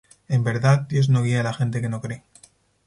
En verdad, Dios no guía a la gente que no cree.